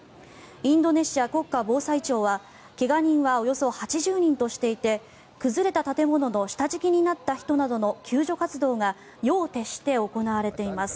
インドネシア国家防災庁は怪我人はおよそ８０人としていて崩れた建物の下敷きになった人の救助活動が夜を徹して行われています。